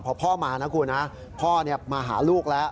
พอพ่อมานะคุณนะพ่อมาหาลูกแล้ว